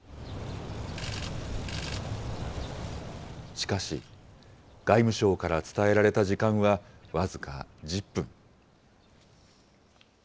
しかし、外務省から伝えられた時間は、僅か１０分。